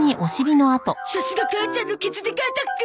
さすが母ちゃんのケツでかアタック！